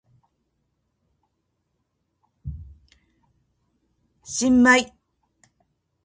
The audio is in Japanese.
新米